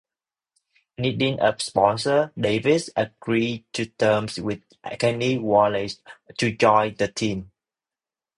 Needing a sponsor, Davis agreed to terms with Kenny Wallace to join the team.